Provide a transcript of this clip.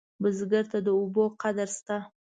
بزګر ته د اوبو قدر شته